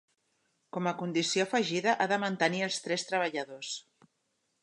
Com a condició afegida ha de mantenir els tres treballadors.